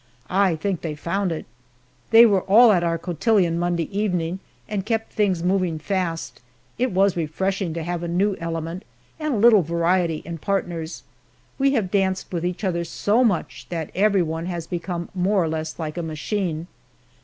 I think they found it! They were all at our cotillon Monday evening, and kept things moving fast. It was refreshing to have a new element, and a little variety in partners. We have danced with each other so much that everyone has become more or less like a machine.